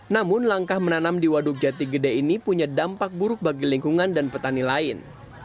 namun langkah menanam di waduk jati gede ini punya dampak buruk bagi lingkungan dan petani lain